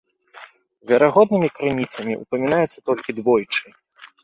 Верагоднымі крыніцамі ўпамінаецца толькі двойчы.